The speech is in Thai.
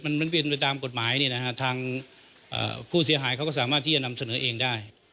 มันเป็นไปตามกฎหมายทางผู้เสียหายเขาก็สามารถที่จะนำเสนอเองได้